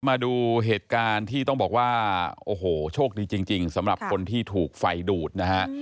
มาดูเหตุการณ์ที่ต้องบอกว่าโอ้โหโชคดีจริงสำหรับคนที่ถูกไฟดูดนะฮะ